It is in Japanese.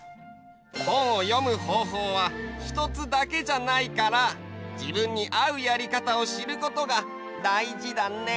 本を読むほうほうはひとつだけじゃないから自分にあうやり方を知ることがだいじだね！